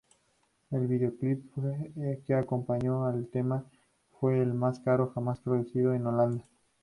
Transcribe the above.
El vídeoclip que acompañó al tema fue el más caro jamás producido en Holanda.